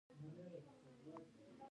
د لوبې ریفري باید عادل وي.